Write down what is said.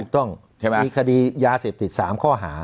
ถูกต้องมีคดียาเสพติด๓ข้อหา